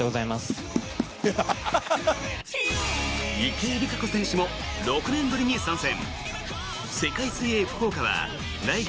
池江璃花子選手も６年ぶりに参戦！